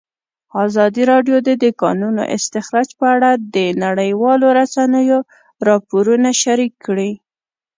ازادي راډیو د د کانونو استخراج په اړه د نړیوالو رسنیو راپورونه شریک کړي.